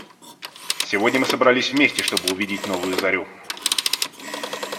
Сегодня мы собрались вместе, чтобы увидеть новую зарю.